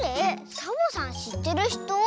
サボさんしってるひと？